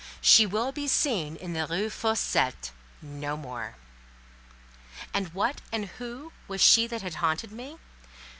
She will be seen in the Rue Fossette no more." And what and who was she that had haunted me?